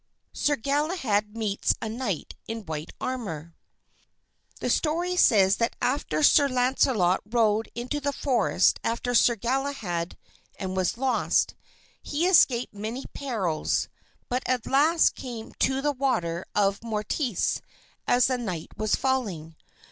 Sir Galahad Meets a Knight in White Armor The story says that after Sir Launcelot rode into the forest after Sir Galahad and was lost, he escaped many perils, but at last came to the water of Morteise as the night was falling.